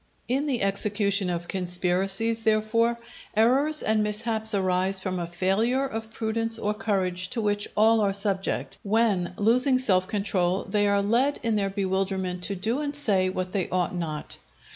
In the execution of conspiracies, therefore, errors and mishaps arise from a failure of prudence or courage to which all are subject, when, losing self control, they are led in their bewilderment to do and say what they ought not.